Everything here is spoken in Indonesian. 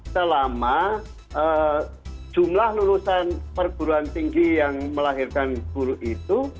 selama jumlah lulusan perguruan tinggi yang melahirkan guru itu